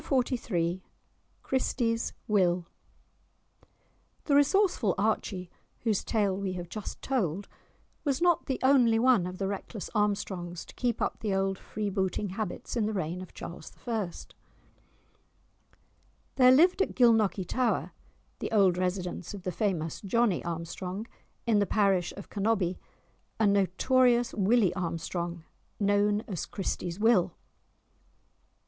*Chapter XLIII* *Christie's Will* The resourceful Archie, whose tale we have just told, was not the only one of the reckless Armstrongs to keep up the old freebooting habits in the reign of Charles I. There lived at Gilnockie tower (the old residence of the famous Johnie Armstrong) in the parish of Cannobie, a notorious Willie Armstrong, known as Christie's Will.